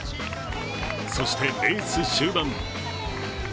そして、レース終盤。